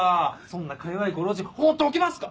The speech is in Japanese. そんなか弱いご老人放っておけますか？